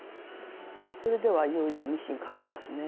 それではいよいよミシンかけますね。